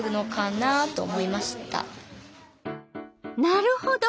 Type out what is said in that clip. なるほど。